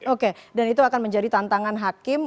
oke dan itu akan menjadi tantangan hakim